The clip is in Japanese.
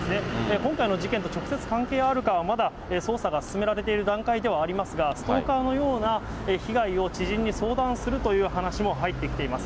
今回の事件と直接関係あるかはまだ捜査が進められている段階ではありますが、ストーカーのような被害を知人に相談するという話も入ってきています。